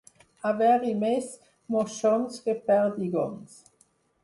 Haver-hi més moixons que perdigons.